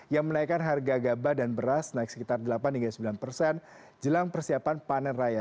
yang menaikkan harga gaba dan beras naik sekitar delapan sembilan jelang persiapan panen raya